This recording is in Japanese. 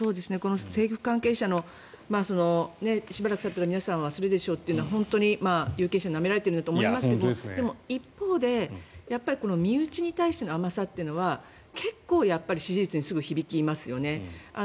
政府関係者のしばらくたったら皆さん忘れるでしょうというのは本当に有権者なめられてるなと思いますけどでも一方で身内に対しての甘さというのは結構、やっぱり支持率にすぐ響きますよね。